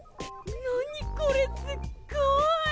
何これすっごい！